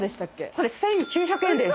これ１，９００円です。